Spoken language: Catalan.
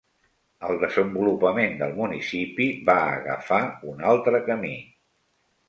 El desenvolupament del municipi va agafar un altre camí.